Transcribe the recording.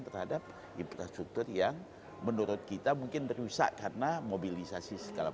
terhadap infrastruktur yang menurut kita mungkin rusak karena mobilisasi segala